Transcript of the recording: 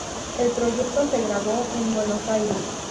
El proyecto se grabó en Buenos Aires.